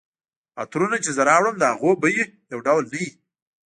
عطرونه چي زه راوړم د هغوی بیي یو ډول نه وي